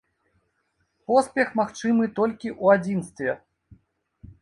Поспех магчымы толькі ў адзінстве.